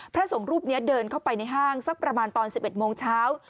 พระสงฆ์รูปนี้เดินเข้าไปในห้างสักประมาณตอน๑๑โมงเช้า